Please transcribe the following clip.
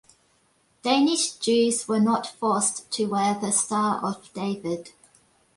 Danish Jews were not forced to wear the Star of David.